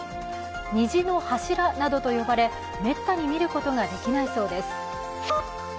虹の柱などと呼ばれ、めったに見ることができないそうです。